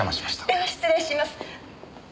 では失礼します。